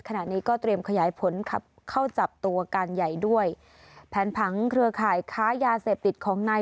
ขณะนี้ก็เตรียมขยายผลขับเข้าจับตัวการใหญ่ด้วยแผนผังเครือข่ายค้ายาเสพติดของนาย